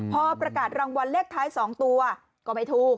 พอประกาศรางวัลเลขท้าย๒ตัวก็ไม่ถูก